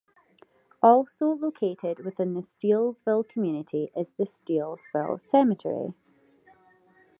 Also located within the Steelesville community is the Steelesville Cemetery.